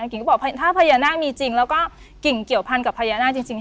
กิ่งก็บอกถ้าพญานาคมีจริงแล้วก็กิ่งเกี่ยวพันกับพญานาคจริง